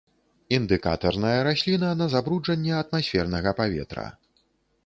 Індыкатарная расліна на забруджанне атмасфернага паветра.